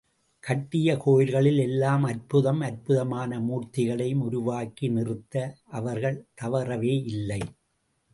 கட்டிய கோயில்களில் எல்லாம் அற்புதம் அற்புதமான மூர்த்திகளையும் உருவாக்கி நிறுத்த அவர்கள் தவறவே இல்லை.